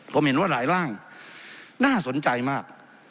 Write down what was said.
ผมเห็นว่าหลายร่างน่าสนใจมาก